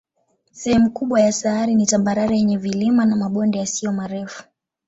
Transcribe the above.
Sehemu kubwa ya sayari ni tambarare yenye vilima na mabonde yasiyo marefu.